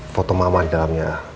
foto mama di dalamnya